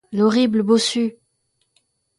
L'horrible bossu!